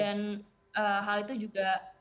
dan hal itu juga